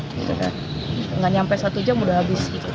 tidak sampai satu jam udah habis